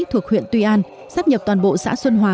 thuộc huyện tuy an sắp nhập toàn bộ xã xuân hòa